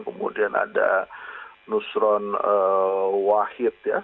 kemudian ada nusron wahid ya